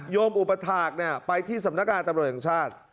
อุปถาคไปที่สำนักงานตำรวจแห่งชาติ